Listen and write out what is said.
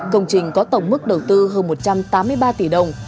công trình có tổng mức đầu tư hơn một trăm tám mươi ba tỷ đồng